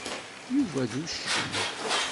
Yuba d uccen.